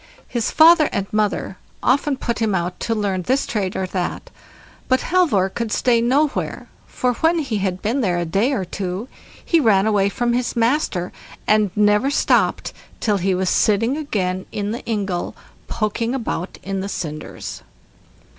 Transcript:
His father and mother often put him out to learn this trade or that, but Halvor could stay nowhere; for, when he had been there a day or two, he ran away from his master, and never stopped till he was sitting again in the ingle, poking about in the cinders.